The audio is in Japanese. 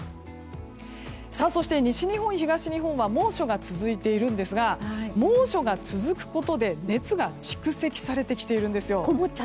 そして西日本、東日本は猛暑が続いているんですが猛暑が続くことで熱が蓄積されてきているんです。